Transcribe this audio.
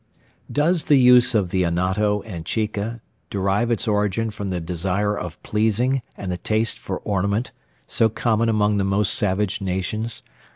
Does the use of the anato and chica derive its origin from the desire of pleasing, and the taste for ornament, so common among the most savage nations?